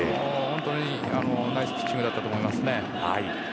本当にナイスピッチングだったと思います。